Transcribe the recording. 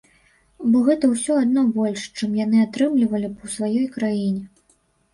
Бо гэта ўсё адно больш, чым яны атрымлівалі б у сваёй краіне.